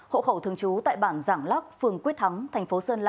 hộ khẩu thường trú tại bản giảng lắc phường tây